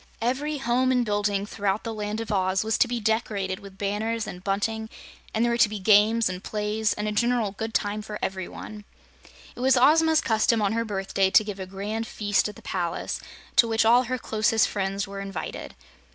Every home and building throughout the Land of Oz was to be decorated with banners and bunting, and there were to be games, and plays, and a general good time for every one. It was Ozma's custom on her birthday to give a grand feast at the palace, to which all her closest friends were invited.